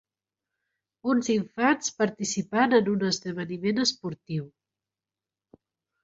Uns infants participant en un esdeveniment esportiu.